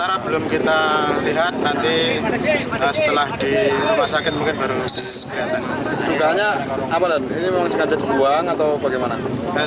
apa dan ini memang sengaja dibuang atau bagaimana